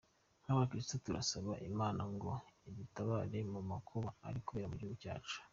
Nk’Abakristu turasaba Imana ngo idutabare mu makuba ari kubera mu gihugu cyacu.